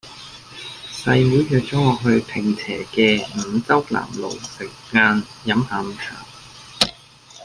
細妹約左我去坪輋嘅五洲南路食晏飲下午茶